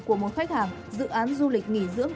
của một khách hàng dự án du lịch nghỉ dưỡng